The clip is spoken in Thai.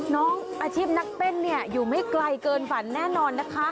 น้องอาชีพนักเต้นเนี่ยอยู่ไม่ไกลเกินฝันแน่นอนนะคะ